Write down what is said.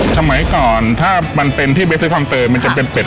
สมัยก่อนถ้ามันเป็นที่เบสเตอร์คองเตอร์มันจะเป็นเป็ด